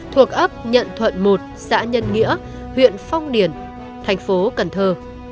thuộc ấp nhận thuận một xã nhân nghĩa huyện phong điền thành phố cần thơ